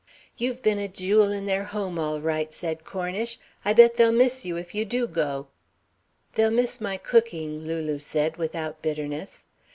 "You've been a jewel in their home all right," said Cornish. "I bet they'll miss you if you do go." "They'll miss my cooking," Lulu said without bitterness.